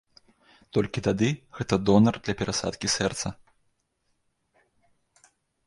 Толькі тады гэта донар для перасадкі сэрца.